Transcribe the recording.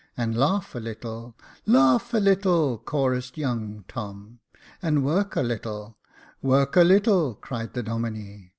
And laugh a little —"" Laugh a little," chorused young Tom. " And work a little —"" Work a little," cried the Domine.